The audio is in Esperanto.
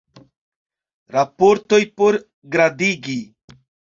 Raportoj por gradigi.